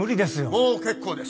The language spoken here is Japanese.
もう結構です